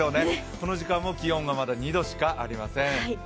この時間も気温がまだ２度しかありません。